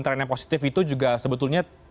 trend yang positif itu juga sebetulnya